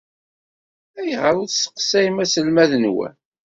Ayɣer ur tesseqsayem aselmad-nwen?